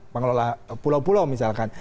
pengelola pulau pulau misalkan